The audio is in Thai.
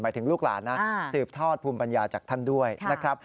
ถึงลูกหลานนะสืบทอดภูมิปัญญาจากท่านด้วยนะครับ